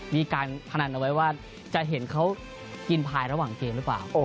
พนันเอาไว้ว่าจะเห็นเขากินพายระหว่างเกมหรือเปล่า